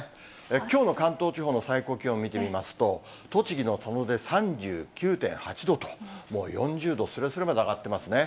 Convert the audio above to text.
きょうの関東地方の最高気温を見てみますと、栃木の佐野で３９．８度と、もう４０度すれすれまで上がってますね。